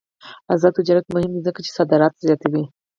آزاد تجارت مهم دی ځکه چې صادرات زیاتوي.